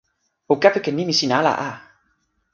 o kepeken nimi sin ala a!